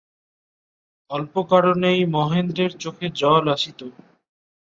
অল্প কারণেই মহেন্দ্রের চোখে জল আসিত।